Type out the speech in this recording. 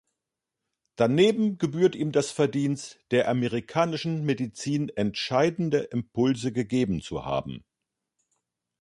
Daneben gebührt ihm das Verdienst, "der amerikanischen Medizin entscheidende Impulse gegeben" zu haben.